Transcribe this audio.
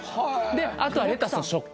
であとはレタスの食感